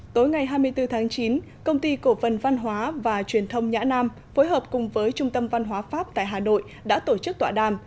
tối ngày hai mươi bốn tháng chín công ty cổ phần văn hóa và truyền thông nhã nam phối hợp cùng với trung tâm văn hóa pháp tại hà nội đã tổ chức tọa đàm